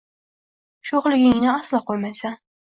Sho’xligingni aslo qo’ymaysan.